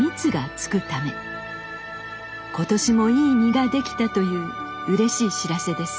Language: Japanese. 今年もいい実ができたといううれしい知らせです。